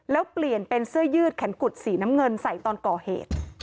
แล้วเปลี่ยนเป็นเสื้อยืดแขนกุดสีน้ำเงินใส่ตอนก่อเหตุ